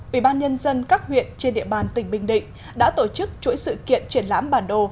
ủy ban nhân dân các huyện trên địa bàn tỉnh bình định đã tổ chức chuỗi sự kiện triển lãm bản đồ